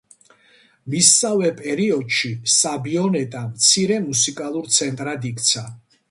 მისსავე პერიოდში, საბიონეტა მცირე მუსიკალურ ცენტრად იქცა.